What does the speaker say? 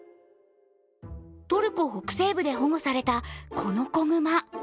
トルコ北西部で保護されたこの子熊。